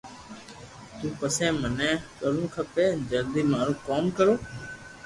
تو پسو مني ڪرووہ کپي جلدو مارو ڪوم ڪرو